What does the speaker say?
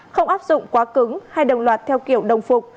không áp dụng quá cứng hay đồng loạt theo kiểu đồng phục